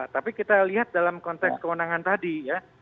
tapi kita lihat dalam konteks kewenangan tadi ya